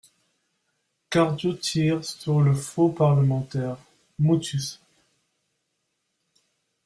Cadio tire sur le faux parlementaire.) MOTUS.